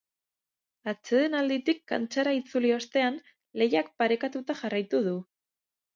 Atsedenalditik kantxara itzuli ostean, lehiak parekatuta jarraitu du.